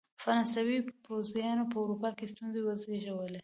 فرانسوي پوځیانو په اروپا کې ستونزې وزېږولې.